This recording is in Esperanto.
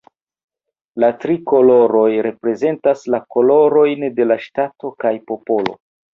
La tri koloroj reprezentas la kolorojn de la ŝtato kaj popolo.